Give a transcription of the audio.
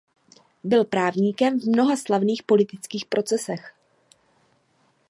Byl právníkem v mnoha slavných politických procesech.